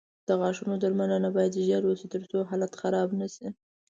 د غاښونو درملنه باید ژر وشي، ترڅو حالت خراب نه شي.